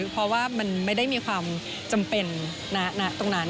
เพราะว่ามันไม่ได้มีความจำเป็นณตรงนั้น